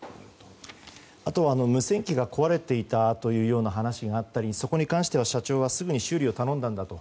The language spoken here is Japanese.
あとは無線機が壊れていたという話があったりそこに関しては社長はすぐに修理を頼んだと。